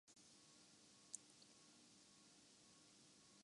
کچھ سبق حزب اللہ سے بھی سیکھ لیں۔